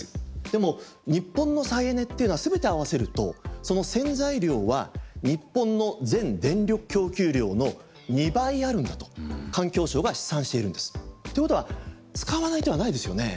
でも日本の再エネっていうのはすべて合わせるとその潜在量は日本の全電力供給量の２倍あるんだと環境省が試算しているんです。ということは使わない手はないですよね。